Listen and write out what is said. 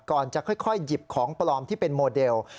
ก่อนจะค่อยหยิบของปลอมที่เป็นโมเดล